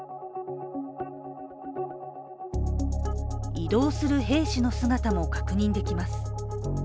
移動する兵士の姿も確認できます。